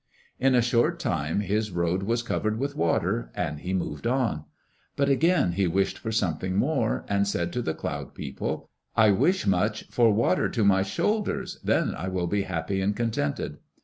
In a short time his road was covered with water, and he moved on. But again he wished for something more, and said to the Cloud People, "I wish much for water to my shoulders. Then I will be happy and contented."